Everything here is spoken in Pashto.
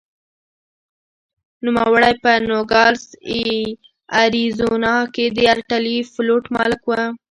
نوموړی په نوګالس اریزونا کې د ارټلي فلوټ مالک و.